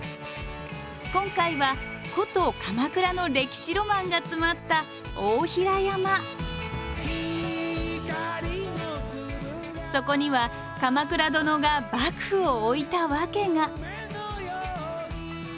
今回は古都鎌倉の歴史ロマンが詰まったそこには鎌倉殿が幕府を置いた訳が。